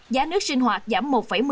giá nước sinh hoạt giảm một một mươi một